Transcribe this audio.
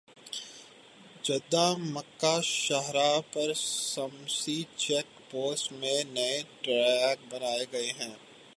Jeddah Mecca شاہراہ پر شمیسی چیک پوسٹ میں نئے ٹریک بنائے گئے ہیں